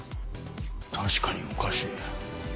確かにおかしい。